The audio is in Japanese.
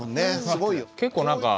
すごいよ。